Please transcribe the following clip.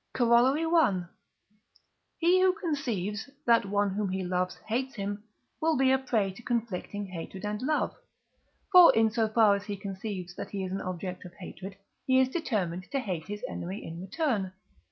Corollary I. He who conceives, that one whom he loves hates him, will be a prey to conflicting hatred and love. For, in so far as he conceives that he is an object of hatred, he is determined to hate his enemy in return.